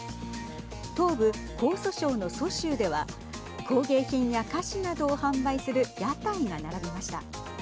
東部、江蘇省の蘇州では工芸品や菓子などを販売する屋台が並びました。